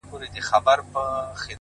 ته مي د ښكلي يار تصوير پر مخ گنډلی ـ